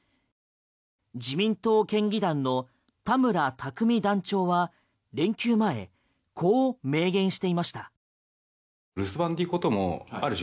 自民党県議団の田村琢実団長は連休前、こう明言していました。